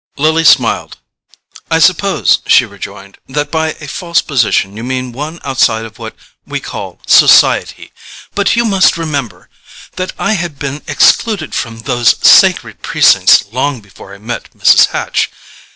Lily smiled. "I suppose," she rejoined, "that by a false position you mean one outside of what we call society; but you must remember that I had been excluded from those sacred precincts long before I met Mrs. Hatch.